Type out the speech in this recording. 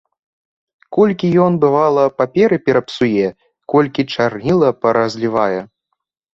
Колькі ён, бывала, паперы перапсуе, колькі чарніла паразлівае!